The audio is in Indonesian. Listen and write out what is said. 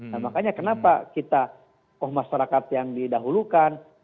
nah makanya kenapa kita kok masyarakat yang didahulukan